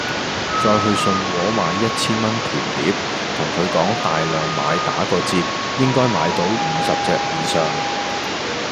再去信和買一千蚊甜碟，同佢講大量買打個折，應該買到五十隻以上